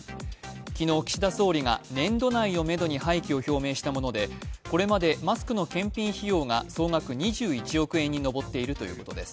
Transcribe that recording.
昨日、岸田総理が年度内をめどに廃棄を表明したものでこれまでマスクの検品費用が総額２１億円に上っているということです。